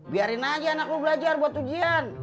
biarin aja anak lo belajar buat ujian